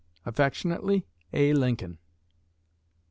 Affectionately, A. LINCOLN.